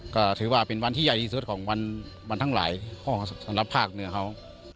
ก็ถือว่าเป็นวันที่ใหญ่ที่สุดของวันทั้งหลายห้องสำหรับภาคเหนือเขา